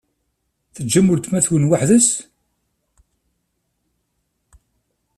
Teǧǧam weltma-twen weḥd-s?